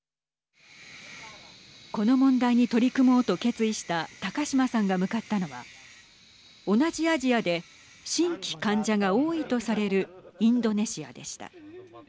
この問題に取り組もうと決意した高島さんが向かったのは同じアジアで新規患者が多いとされるインドネシアでした。